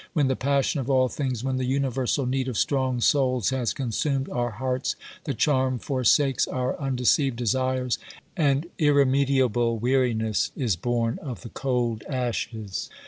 When the passion of all things, when the universal need of strong souls, has consumed our hearts, the charm forsakes our undeceived desires, and irremediable weariness is born of the cold ashes.